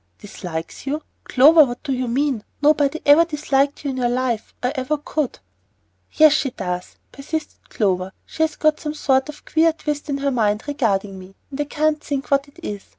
"Dislikes you! Clover, what do you mean? Nobody ever disliked you in your life, or ever could." "Yes, she does," persisted Clover. "She has got some sort of queer twist in her mind regarding me, and I can't think what it is.